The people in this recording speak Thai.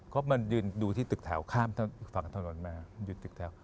ก็มาดูที่ตึกแถวข้ามฝั่งถนนมาอยู่ตึกแถว